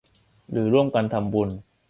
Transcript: หรือร่วมกันทำบุญ